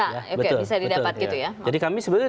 oke bisa didapat gitu ya jadi kami sebenarnya